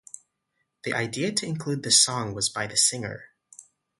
The idea to include the song was by the singer.